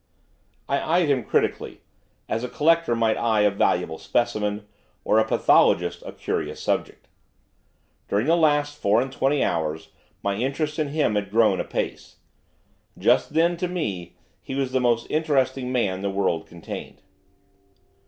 I eyed him critically, as a collector might eye a valuable specimen, or a pathologist a curious subject. During the last four and twenty hours my interest in him had grown apace. Just then, to me, he was the most interesting man the world contained.